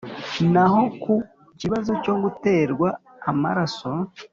Naho ku kibazo cyo guterwa amaraso